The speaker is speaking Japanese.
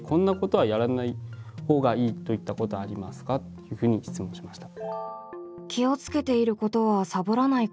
というふうに質問しました。